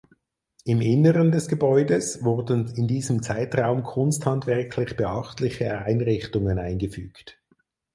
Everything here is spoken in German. Im Inneren des Gebäudes wurden in diesem Zeitraum kunsthandwerklich beachtliche Einrichtungen eingefügt.